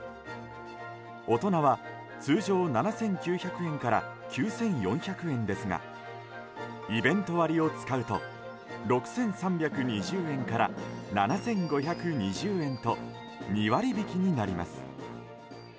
大人は通常７９００円から９４００円ですがイベント割を使うと６３２０円から７５２０円と２割引きになります。